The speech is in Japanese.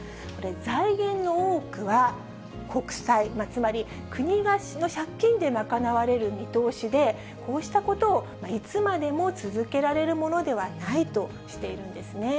財源の多くは国債、つまり国の借金で賄われる見通しで、こうしたことをいつまでも続けられるものではないとしているんですね。